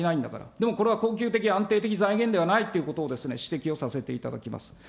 でも、これは恒久的、安定的財源ではないということを指摘をさせていただきます。